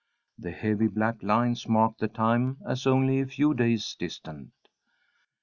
The heavy black lines marked the time as only a few days distant.